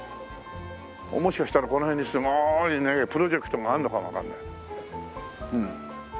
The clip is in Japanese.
もしかしたらこの辺にすごいプロジェクトがあるのかもわからない。